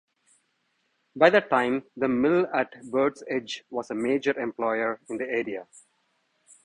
By that time, the mill at Birdsedge was a major employer in the area.